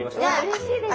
うれしいです。